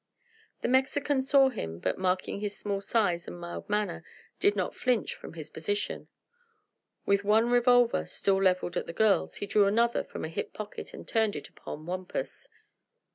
The Mexican saw him, but marking his small size and mild manner did not flinch from his position. With one revolver still leveled at the girls he drew another from a hip pocket and turned it upon Wampus.